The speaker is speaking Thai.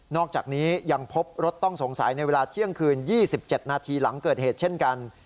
อกจากนี้ยังพบรถต้องสงสัยในเวลาเที่ยงคืน๒๗นาทีหลังเกิดเหตุเช่นกัน